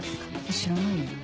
知らないよ。